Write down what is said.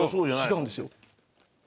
違うんですよ。